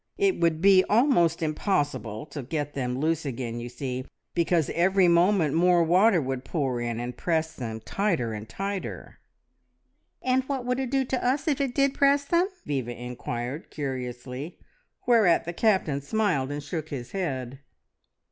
It would be almost impossible to get them loose again, you see, because every moment more water would pour in, and press them tighter and tighter!" "And what would it do to us if it did press them?" Viva inquired curiously, whereat the Captain smiled and shook his head.